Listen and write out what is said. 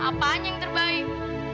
apaan yang terbaik